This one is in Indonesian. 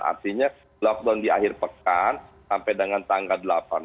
artinya lockdown di akhir pekan sampai dengan tanggal delapan belas